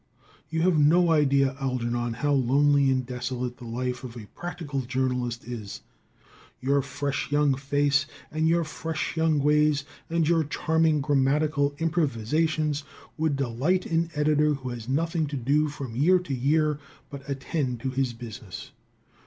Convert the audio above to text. You have no idea, Algernon, how lonely and desolate the life of a practical journalist is. Your fresh young face and your fresh young ways, and your charming grammatical improvisations, would delight an editor who has nothing to do from year to year but attend to his business.